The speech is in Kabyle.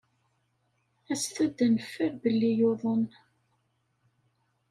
Aset-d ad neffer belli yuḍen.